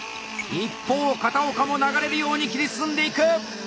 一方片岡も流れるように切り進んでいく！